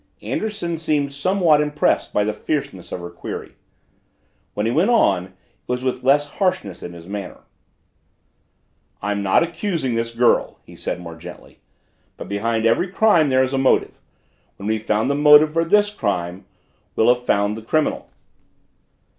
Anderson seemed somewhat impressed by the fierceness of her query. When he went on it was with less harshness in his manner. "I'm not accusing this girl," he said more gently. "But behind every crime there is a motive. When we've found the motive for this crime, we'll have found the criminal."